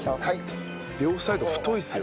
両サイド太いっすよ。